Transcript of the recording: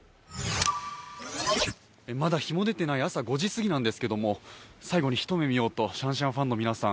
まだ日も出ていない朝５時すぎなんですけれども、最後に一目見ようとシャンシャンファンの皆さん